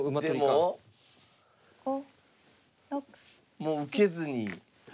もう受けずに。